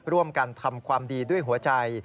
ร่วมกันทำความดีด้วยหัวใจ